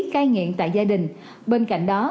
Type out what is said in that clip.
khai nghiện tại gia đình bên cạnh đó